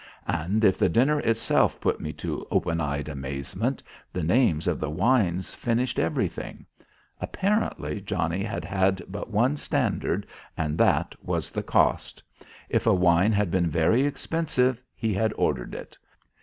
And if the dinner itself put me to open eyed amazement, the names of the wines finished everything. Apparently Johnny had had but one standard, and that was the cost. If a wine had been very expensive, he had ordered it.